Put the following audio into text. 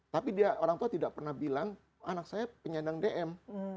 tapi dia orang tua tidak pernah bilang anak saya penyandang dm